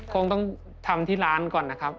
คงต้องทำที่ร้านก่อนนะครับ